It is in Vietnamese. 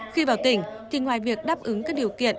khi vào tỉnh thì ngoài việc đáp ứng các điều kiện